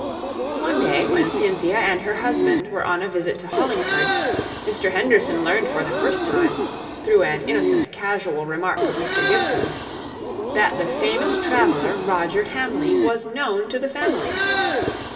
One day, when Cynthia and her husband were on a visit to Hollingford, Mr. Henderson learned for the first time, through an innocent casual remark of Mr. Gibson's, that the famous traveller, Roger Hamley, was known to the family.